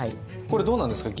これどうなんですか？